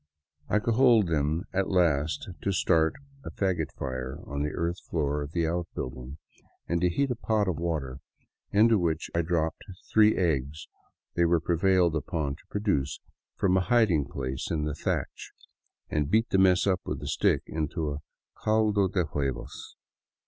I cajoled them at last to start a fagot fire on the earth floor of the outbuilding, and to heat a pot of water into which I dropped three eggs they were prevailed upon to produce from a hid ing place in the thatch, and beat the mess up with a stick into a " caldo de huevos."